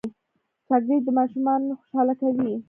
چاکلېټ ماشومان خوشحاله کوي.